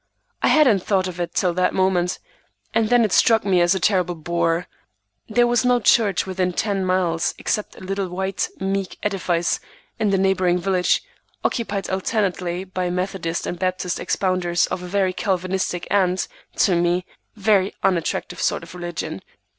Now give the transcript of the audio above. I hadn't thought of it till that moment, and then it struck me as a terrible bore. There was no church within ten miles except a little white, meek edifice in the neighboring village, occupied alternately by Methodist and Baptist expounders of a very Calvinistic, and, to me, a very unattractive sort of religion.